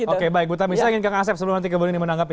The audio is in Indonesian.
oke baik tapi saya ingin kang asep sebelum nanti kemudian menanggapi